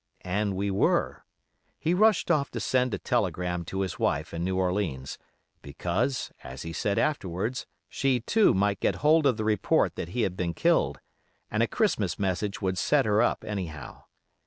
And we were. He rushed off to send a telegram to his wife in New Orleans, because, as he said afterwards, she, too, might get hold of the report that he had been killed; and a Christmas message would set her up, anyhow.